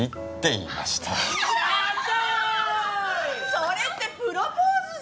それってプロポーズじゃん。